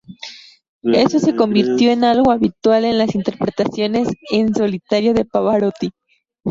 Eso se convirtió en algo habitual en las interpretaciones en solitario de Pavarotti.